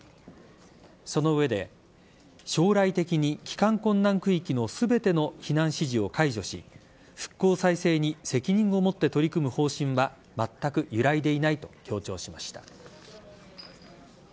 その上で、将来的に帰還困難区域の全ての避難指示を解除し復興再生に責任をもって取り組む方針はまったく揺らいでいないと強調しました。